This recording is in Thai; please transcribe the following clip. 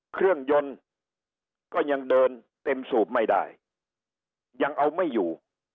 เครื่องยนต์ก็ยังเดินเต็มสูบไม่ได้ยังเอาไม่อยู่